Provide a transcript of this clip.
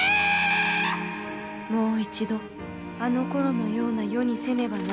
「もう一度あのころのような世にせねばならぬ。